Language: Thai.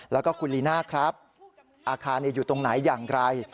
แล้วก็คุณลีน่าครับอาคารอยู่ตรงไหนอย่างไร